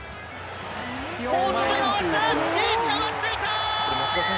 大外に回して、リーチが待っていた。